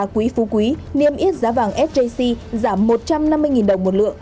quý phú quý niêm yết giá vàng sjc giảm một trăm năm mươi đồng một lượng